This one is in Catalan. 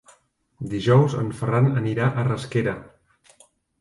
Dijous en Ferran anirà a Rasquera.